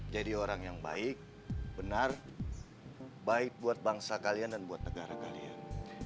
jadi orang yang baik benar baik buat bangsa kalian dan buat negara kalian